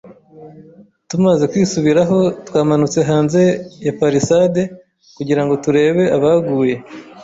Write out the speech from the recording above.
Tumaze kwisubiraho, twamanutse hanze ya palisade kugirango turebe abaguye